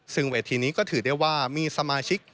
ซึ่งเวทีนี้ก็ถือได้ว่ามีสมาชิก